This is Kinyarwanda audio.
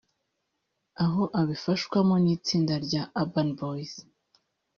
aho abifashwamo n’itsinda rya Urban Boys